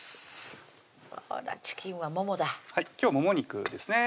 チキンはももだ今日はもも肉ですね